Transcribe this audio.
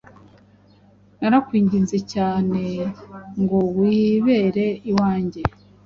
Narakwinginze cyanee ngo wibere uwange